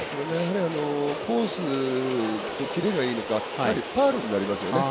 コースとキレがいいのかファウルになりますよね。